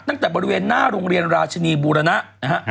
ตั้งแต่บริเวณหน้าโรงเรียนราชนีบูรณะนะฮะ